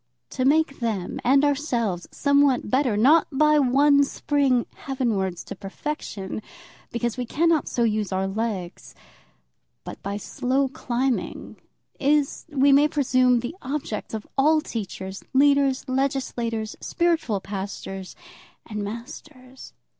To make them and ourselves somewhat better, not by one spring heavenwards to perfection, because we cannot so use our legs, but by slow climbing, is, we may presume, the object of all teachers, leaders, legislators, spiritual pastors, and masters.